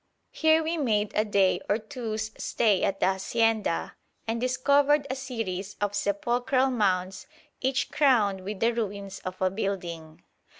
Here we made a day or two's stay at the hacienda, and discovered a series of sepulchral mounds, each crowned with the ruins of a building.